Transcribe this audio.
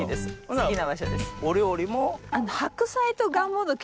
好きな場所です。